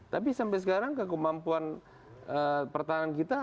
tapi sampai sekarang ke kemampuan pertahanan kita